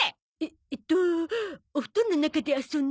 えっとお布団の中で遊んで。